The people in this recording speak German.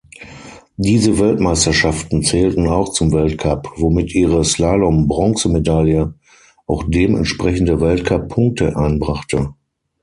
Diese Weltmeisterschaften zählten auch zum Weltcup, womit ihre Slalom-Bronzemedaille auch dementsprechende Weltcup-Punkte einbrachte.